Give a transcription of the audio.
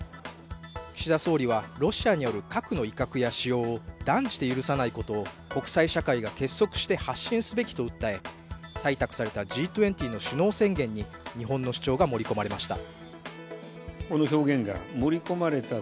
岸田総理はロシアによる核の威嚇や使用を断じて許さないことを国際社会が結束して発信すべきと訴え採択されたＧ２０の首脳宣言に日本の主張が盛り込まれました。